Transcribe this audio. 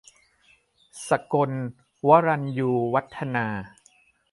สกนธ์ วรัญญูวัฒนา